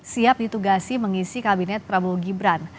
siap ditugasi mengisi kabinet prabowo gibran